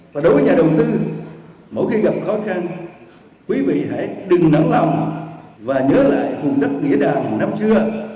và đối với nhà đầu tư mỗi khi gặp khó khăn quý vị hãy đừng nặng lòng và nhớ lại hùng đất nghĩa đàm năm trưa